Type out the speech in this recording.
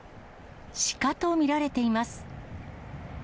シカと見られています。